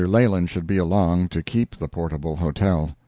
Leland should be along, to keep the portable hotel.